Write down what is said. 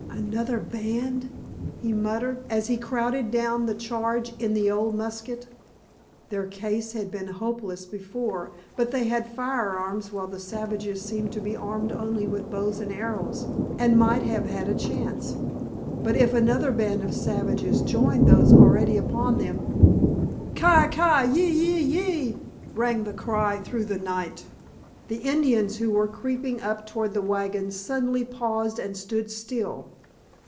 "Another band!" he muttered, as he crowded down the charge in the old musket. Their case had seemed hopeless before, but they had firearms while the savages seemed to be armed only with bows and arrows, and might have had a chance. But if another band of savages joined those already upon them—— "Ki ki ee ee ee!" rang the cry through the night. The Indians who were creeping up toward the wagons suddenly paused and stood still.